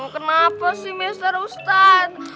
kenapa sih mister ustadz